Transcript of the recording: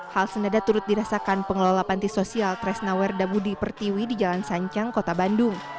hal senada turut dirasakan pengelola panti sosial tresnawer dabudi pertiwi di jalan sancang kota bandung